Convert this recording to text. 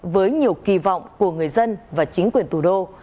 với nhiều kỳ vọng của người dân và chính quyền thủ đô